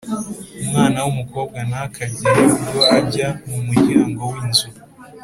umwana w' umukobwa ntakagire ubwo ajya mu muryango w' inzu